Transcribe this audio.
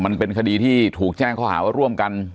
มันเป็นคดีที่ถูกแจ้งข้อหาว่าร่วมกัน